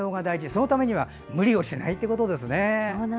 そのためには無理をしないということですね。